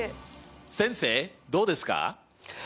先生どうですか？